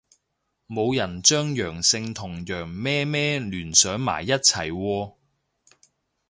冇人將陽性同羊咩咩聯想埋一齊喎